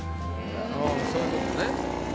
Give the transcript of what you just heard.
あぁそういうことね。